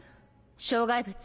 障害物？